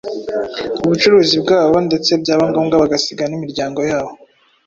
ubucuruzi bwabo ndetse byaba ngombwa bagasiga n’imiryango yabo.